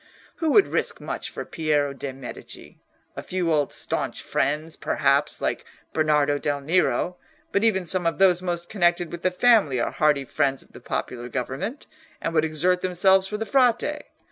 Who would risk much for Piero de' Medici? A few old staunch friends, perhaps, like Bernardo del Nero; but even some of those most connected with the family are hearty friends of the popular government, and would exert themselves for the Frate.